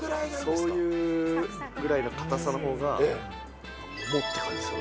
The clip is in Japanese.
そういうぐらいの硬さの方が、桃って感じがする。